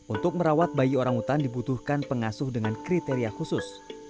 untuk merawat bayi orangutan dibutuhkan pengasuh dengan kriteria khusus